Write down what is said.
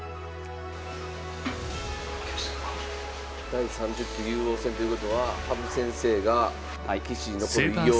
第３０期竜王戦ということは羽生先生が棋士に残る偉業を。